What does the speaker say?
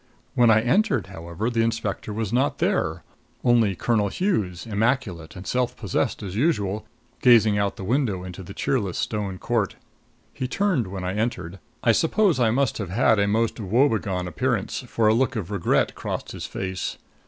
When I entered, however, the inspector was not there only Colonel Hughes, immaculate and self possessed, as usual, gazing out the window into the cheerless stone court. He turned when I entered. I suppose I must have had a most woebegone appearance, for a look of regret crossed his face.